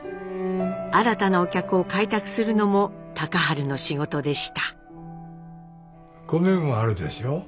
新たなお客を開拓するのも隆治の仕事でした。